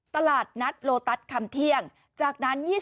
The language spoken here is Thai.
ตลาดนัดโลตัสคำเที่ยงจากนั้น